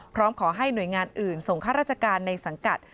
พร้อมขอให้หน่วยงานอื่นส่งข้าราชการในสังกัด